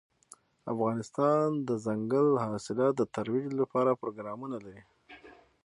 افغانستان د دځنګل حاصلات د ترویج لپاره پروګرامونه لري.